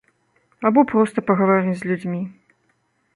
Або проста пагаварыць з людзьмі.